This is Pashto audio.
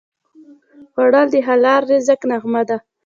خوړل د حلال رزق نغمه ده